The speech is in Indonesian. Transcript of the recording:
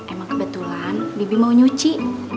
emang kebetulan bibi mau nyuci